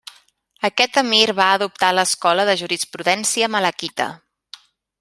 Aquest emir va adoptar l'escola de jurisprudència malaquita.